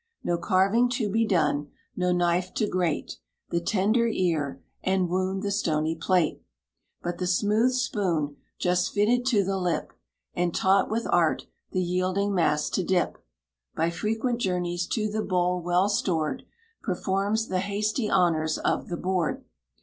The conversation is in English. No carving to be done, no knife to grate The tender ear, and wound the stony plate; But the smooth spoon, just fitted to the lip, And taught with art the yielding mass to dip, By frequent journeys to the bowl well stored, Performs the hasty honors of the board."